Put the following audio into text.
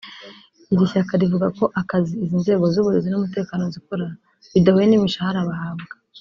Iri shyaka rivuga ko akazi izi nzego z’uburezi n’umutekano zikora bidahuye n’imishahara bahabwa